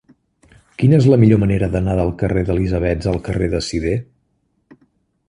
Quina és la millor manera d'anar del carrer d'Elisabets al carrer de Sidé?